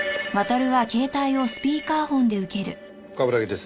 冠城です。